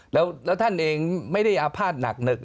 แล้วท่านเองไม่ได้อาภาษณ์หนักหนึก